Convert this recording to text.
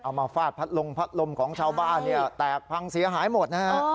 เอามาฟาดพัดลมของชาวบ้านเนี้ยแตกพังเสียหายหมดนะครับ